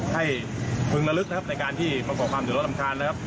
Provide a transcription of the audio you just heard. ให้พึงละลึกในที่ประกอบความเดินรถลำคัน